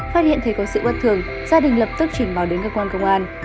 phát hiện thấy có sự bất thường gia đình lập tức chuyển báo đến cơ quan công an